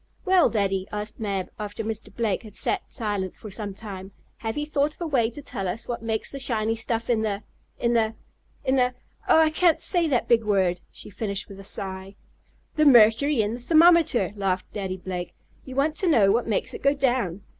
"Well, Daddy," asked Mab, after Mr. Blake had sat silent for some time, "have you thought of a way to tell us what makes the shiny stuff in the in the in the Oh! I can't say that big word!" she finished with a sigh. "The mercury in the thermometer!" laughed Daddy Blake. "You want to know what makes it go down?